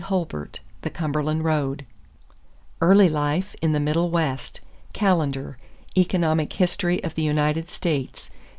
Hulbert, The Cumberland Road. =Early Life in the Middle West.= Callender, Economic History of the United States, pp.